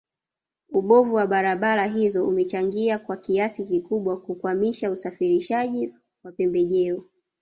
Ubovu wa barabara hizo umechangia kwa kiasi kikubwa kukwamisha usafirishaji wa pembejeo